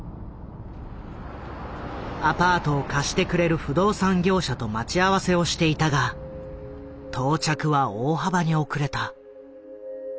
アパートを貸してくれる不動産業者と待ち合わせをしていたが到着は大幅に遅れた。